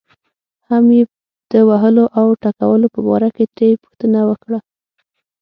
هم یې د وهلو او ټکولو په باره کې ترې پوښتنه وکړه.